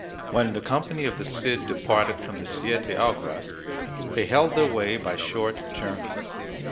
When the company of the Cid departed from the Siete Aguas, they held their way by short journeys.